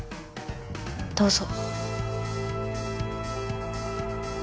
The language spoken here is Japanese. どうぞ。